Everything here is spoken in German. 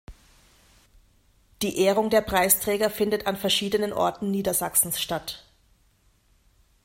Die Ehrung der Preisträger findet an verschiedenen Orten Niedersachsens statt.